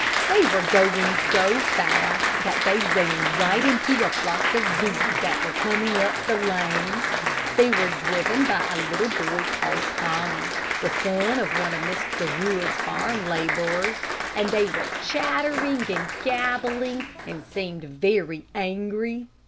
They were going so fast that they ran right into a flock of geese that were coming up the lane. They were driven by a little boy called Tommy, the son of one of Mr. Wood's farm laborers, and they were chattering and gabbling, and seemed very angry.